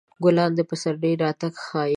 ګلان د پسرلي راتګ ښيي.